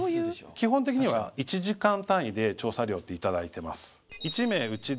基本的には１時間単位で調査料って頂いてます。